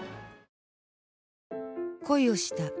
恋をした。